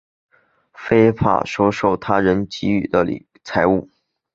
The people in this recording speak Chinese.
非法收受他人给予的财物